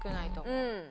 うん。